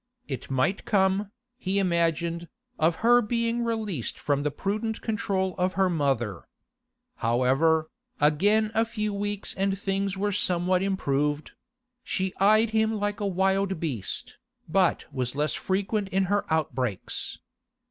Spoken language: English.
It might come, he imagined, of her being released from the prudent control of her mother. However, again a few weeks and things were somewhat improved; she eyed him like a wild beast, but was less frequent in her outbreaks.